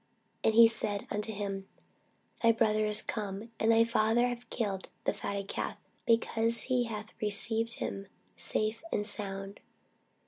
And he said unto him, Thy brother is come; and thy father hath killed the fatted calf, because he hath received him safe and sound.